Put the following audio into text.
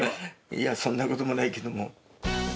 いやそんな事もないけども。